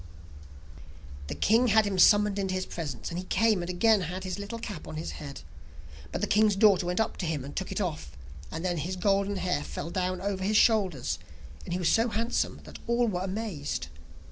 The king had him summoned into his presence, and he came and again had his little cap on his head. But the king's daughter went up to him and took it off, and then his golden hair fell down over his shoulders, and he was so handsome that all were amazed.